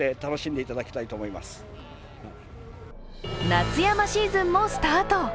夏山シーズンもスタート。